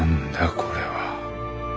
これは。